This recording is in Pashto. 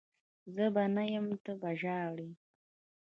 زه به نه یم ته به ژاړي